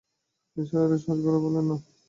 নিসার আলি সহজ গলায় বললেন, না।